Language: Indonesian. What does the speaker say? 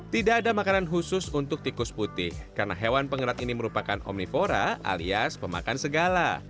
tidak ada makanan khusus untuk tikus putih karena hewan pengerat ini merupakan omnivora alias pemakan segala